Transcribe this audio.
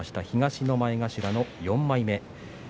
東の前頭４枚目。